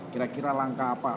kira kira langkah apa